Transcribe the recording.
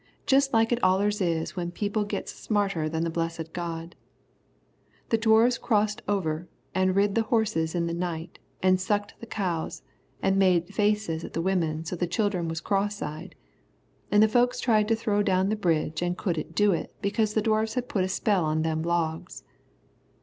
Just like it allers is when people gits smarter than the blessed God. The Dwarfs crost over an' rid the horses in the night an' sucked the cows, an' made faces at the women so the children was cross eyed. An' the folks tried to throw down the bridge an' couldn't do it because the Dwarfs had put a spell on them logs."